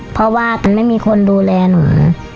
เพราะว่ามันไม่มีคนดูแลหนู